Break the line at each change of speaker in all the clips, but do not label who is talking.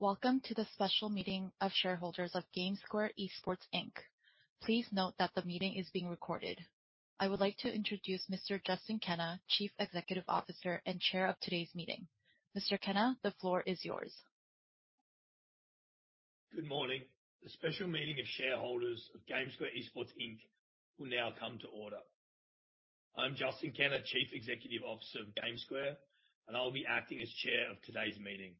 Welcome to the special meeting of shareholders of GameSquare Esports Inc. Please note that the meeting is being recorded. I would like to introduce Mr. Justin Kenna, Chief Executive Officer and Chair of today's meeting. Mr. Kenna, the floor is yours.
Good morning. The special meeting of shareholders of GameSquare Esports Inc. will now come to order. I'm Justin Kenna, Chief Executive Officer of GameSquare, and I'll be acting as chair of today's meeting.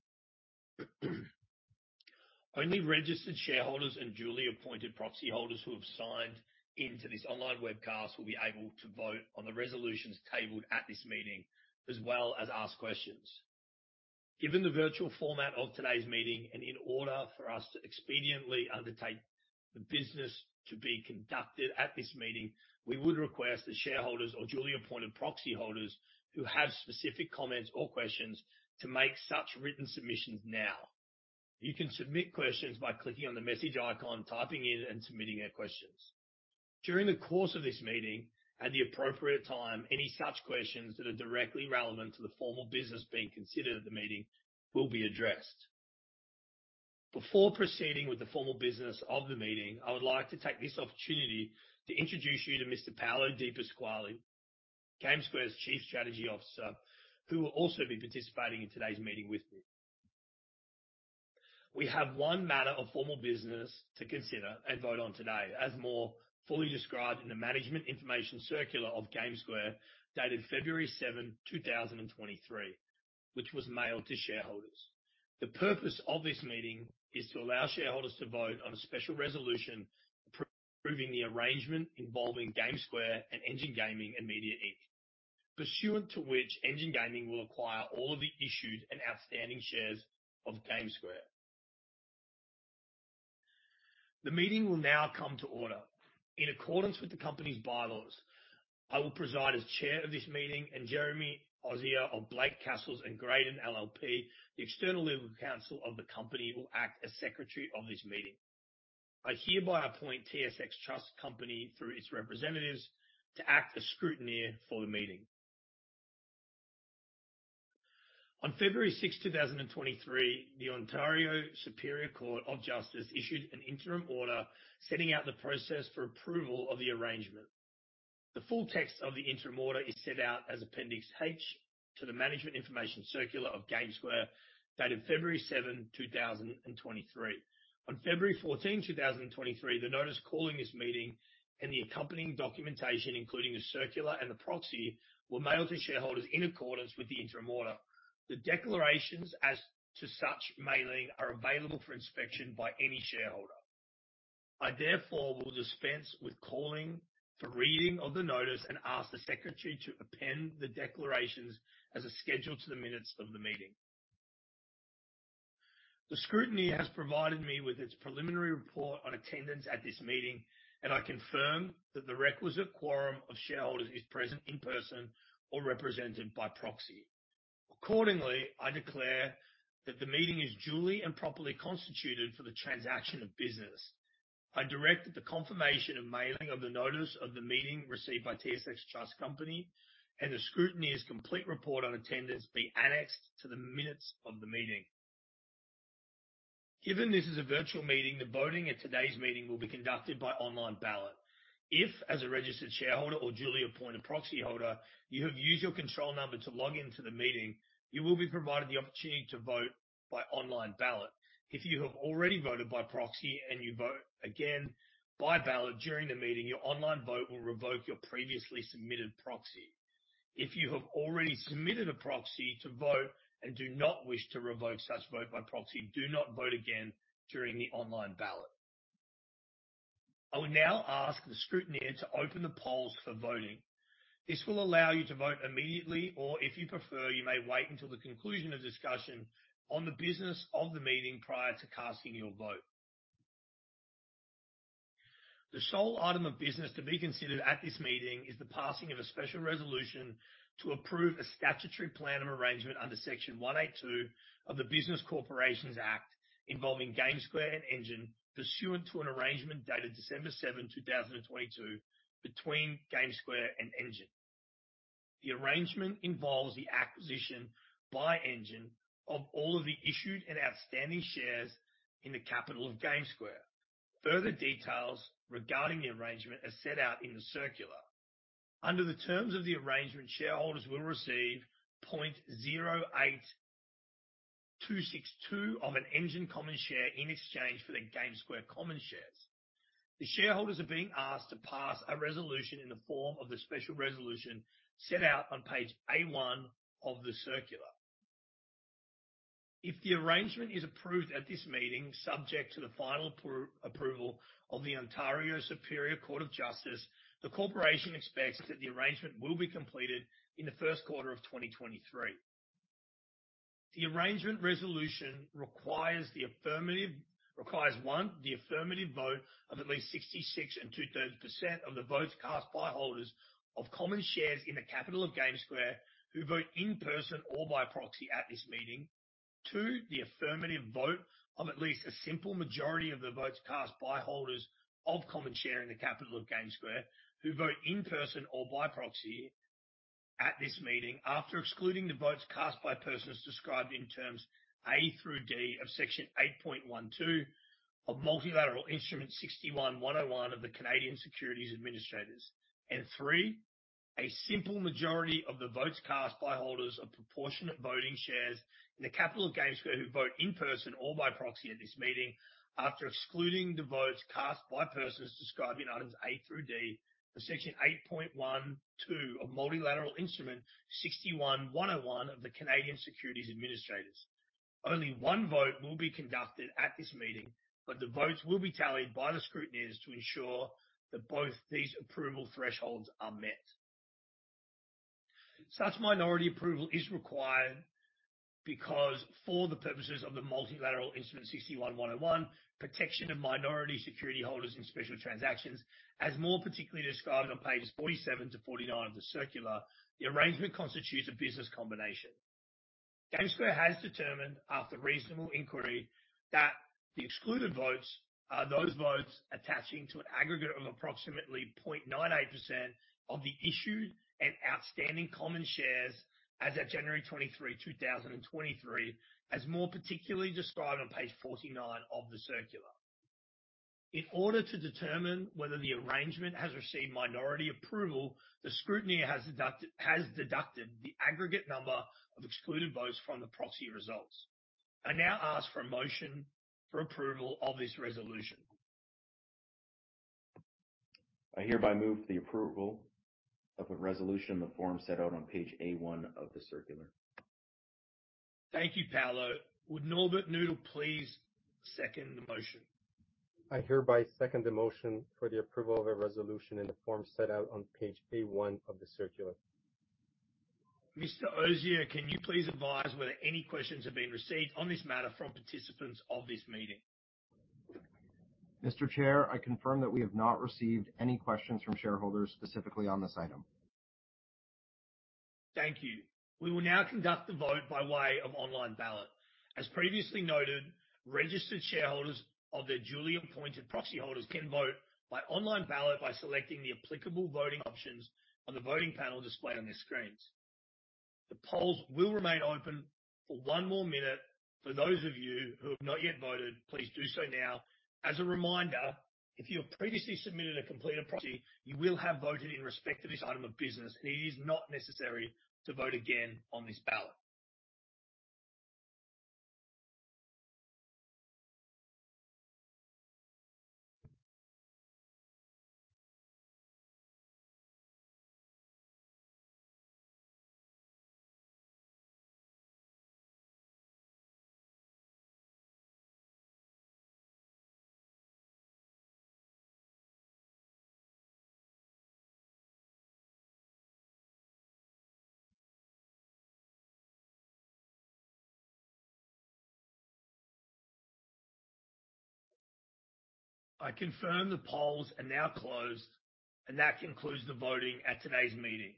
Only registered shareholders and duly appointed proxy holders who have signed into this online webcast will be able to vote on the resolutions tabled at this meeting, as well as ask questions. Given the virtual format of today's meeting, and in order for us to expediently undertake the business to be conducted at this meeting, we would request that shareholders or duly appointed proxy holders who have specific comments or questions to make such written submissions now. You can submit questions by clicking on the message icon, typing in, and submitting your questions. During the course of this meeting, at the appropriate time, any such questions that are directly relevant to the formal business being considered at the meeting will be addressed. Before proceeding with the formal business of the meeting, I would like to take this opportunity to introduce you to Mr. Paolo DiPasquale, GameSquare's Chief Strategy Officer, who will also be participating in today's meeting with me. We have one matter of formal business to consider and vote on today as more fully described in the management information circular of GameSquare, dated February 7, 2023, which was mailed to shareholders. The purpose of this meeting is to allow shareholders to vote on a special resolution approving the arrangement involving GameSquare and Engine Gaming and Media, Inc. Pursuant to which, Engine Gaming will acquire all of the issued and outstanding shares of GameSquare. The meeting will now come to order. In accordance with the company's bylaws, I will preside as chair of this meeting, and Jeremy Ozier of Blake, Cassels & Graydon LLP, the external legal counsel of the company, will act as secretary of this meeting. I hereby appoint TSX Trust Company through its representatives to act as scrutineer for the meeting. On February 6, 2023, the Ontario Superior Court of Justice issued an interim order setting out the process for approval of the arrangement. The full text of the interim order is set out as Appendix H to the management information circular of GameSquare, dated February 7, 2023. On February 14, 2023, the notice calling this meeting and the accompanying documentation, including the circular and the proxy, were mailed to shareholders in accordance with the interim order. The declarations as to such mailing are available for inspection by any shareholder. I therefore will dispense with calling for reading of the notice and ask the secretary to append the declarations as a schedule to the minutes of the meeting. The scrutineer has provided me with its preliminary report on attendance at this meeting, and I confirm that the requisite quorum of shareholders is present in person or represented by proxy. Accordingly, I declare that the meeting is duly and properly constituted for the transaction of business. I direct that the confirmation of mailing of the notice of the meeting received by TSX Trust Company and the scrutineer's complete report on attendance be annexed to the minutes of the meeting. Given this is a virtual meeting, the voting at today's meeting will be conducted by online ballot. If, as a registered shareholder or duly appointed proxy holder, you have used your control number to log into the meeting, you will be provided the opportunity to vote by online ballot. If you have already voted by proxy and you vote again by ballot during the meeting, your online vote will revoke your previously submitted proxy. If you have already submitted a proxy to vote and do not wish to revoke such vote by proxy, do not vote again during the online ballot. I will now ask the scrutineer to open the polls for voting. This will allow you to vote immediately, or if you prefer, you may wait until the conclusion of discussion on the business of the meeting prior to casting your vote. The sole item of business to be considered at this meeting is the passing of a special resolution to approve a statutory plan of arrangement under Section 182 of the Business Corporations Act involving GameSquare and Engine pursuant to an arrangement dated December 7, 2022, between GameSquare and Engine. The arrangement involves the acquisition by Engine of all of the issued and outstanding shares in the capital of GameSquare. Further details regarding the arrangement are set out in the circular. Under the terms of the arrangement, shareholders will receive .08262 of an Engine common share in exchange for their GameSquare common shares. The shareholders are being asked to pass a resolution in the form of the special resolution set out on page A1 of the circular. If the arrangement is approved at this meeting, subject to the final approval of the Ontario Superior Court of Justice, the corporation expects that the arrangement will be completed in the first quarter of 2023. The arrangement resolution requires, one, the affirmative vote of at least 66 2/3% of the votes cast by holders of common shares in the capital of GameSquare who vote in person or by proxy at this meeting. Two, the affirmative vote of at least a simple majority of the votes cast by holders of common shares in the capital of GameSquare who vote in person or by proxy at this meeting, after excluding the votes cast by persons described in terms A through D of Section 8.12 of Multilateral Instrument 61-101 of the Canadian Securities Administrators. Three, a simple majority of the votes cast by holders of proportionate voting shares in the capital of GameSquare who vote in person or by proxy at this meeting, after excluding the votes cast by persons described in items A through D of Section 8.12 of Multilateral Instrument 61-101 of the Canadian Securities Administrators. Only one vote will be conducted at this meeting, but the votes will be tallied by the scrutineers to ensure that both these approval thresholds are met. Such minority approval is required because for the purposes of the Multilateral Instrument 61-101, protection of minority security holders in special transactions, as more particularly described on pages 47-49 of the circular, the arrangement constitutes a business combination. GameSquare has determined, after reasonable inquiry, that the excluded votes are those votes attaching to an aggregate of approximately 0.98% of the issued and outstanding common shares as at January 23, 2023, as more particularly described on page 49 of the circular. In order to determine whether the arrangement has received minority approval, the scrutineer has deducted the aggregate number of excluded votes from the proxy results. I now ask for a motion for approval of this resolution.
I hereby move for the approval of a resolution in the form set out on page A1 of the circular.
Thank you, Paolo. Would Norbert Knutel please second the motion?
I hereby second the motion for the approval of a resolution in the form set out on page A1 of the circular.
Mr. Ozier, can you please advise whether any questions have been received on this matter from participants of this meeting?
Mr. Chair, I confirm that we have not received any questions from shareholders specifically on this item.
Thank you. We will now conduct the vote by way of online ballot. As previously noted, registered shareholders or their duly appointed proxy holders can vote by online ballot by selecting the applicable voting options on the voting panel displayed on their screens. The polls will remain open for one more minute. For those of you who have not yet voted, please do so now. As a reminder, if you have previously submitted a completed proxy, you will have voted in respect to this item of business. It is not necessary to vote again on this ballot. I confirm the polls are now closed, and that concludes the voting at today's meeting.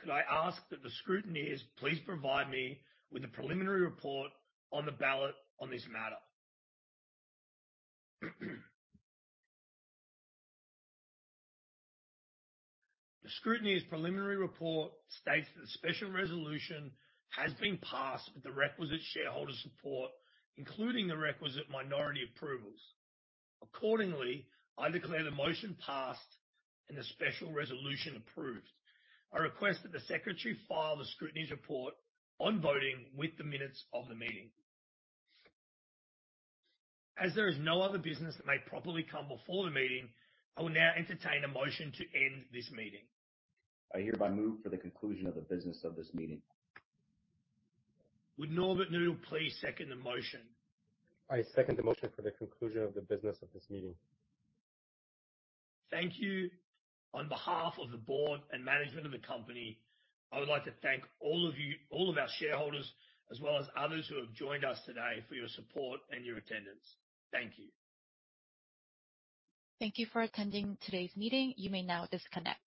Could I ask that the scrutineers please provide me with a preliminary report on the ballot on this matter? The scrutineer's preliminary report states that the special resolution has been passed with the requisite shareholder support, including the requisite minority approvals. Accordingly, I declare the motion passed and the special resolution approved. I request that the secretary file the scrutineer's report on voting with the minutes of the meeting. As there is no other business that may properly come before the meeting, I will now entertain a motion to end this meeting.
I hereby move for the conclusion of the business of this meeting.
Would Norbert Knutel please second the motion?
I second the motion for the conclusion of the business of this meeting.
Thank you. On behalf of the board and management of the company, I would like to thank all of our shareholders, as well as others who have joined us today, for your support and your attendance. Thank you.
Thank you for attending today's meeting. You may now disconnect.